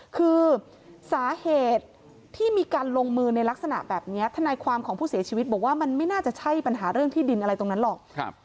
คือสาเหตุที่มีการลงมือในลักษณะแบบนี้ทนายความของผู้เสียชีวิตบอกว่ามันไม่น่าจะใช่ปัญหาเรื่องที่ดินอะไรตรงนั้นหรอก